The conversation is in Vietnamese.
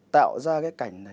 tạo ra cái cảnh